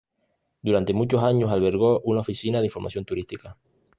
Durante muchos años albergó una oficina de información turística.